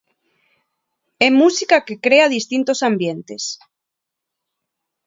E música que crea distintos ambientes.